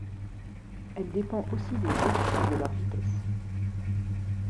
Elle dépend aussi des routes et de leur vitesses.